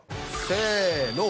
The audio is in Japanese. せの。